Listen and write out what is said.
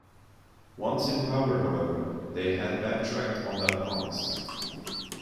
Once in power however, they had back-tracked on that promise.